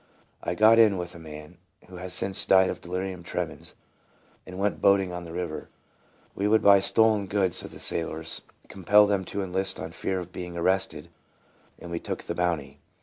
I got in with a man, who has since died of delirium tremens, and went boating on the river. We would buy stolen goods of the sailors, compel them to enlist on fear of being arrested, and we took the bounty.